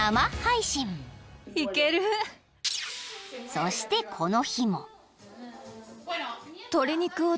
［そしてこの日も］